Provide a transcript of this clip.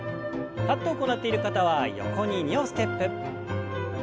立って行っている方は横に２歩ステップ。